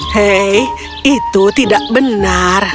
hei itu tidak benar